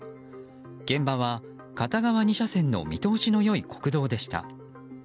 現場は片側２車線の見通しの良い国道でした。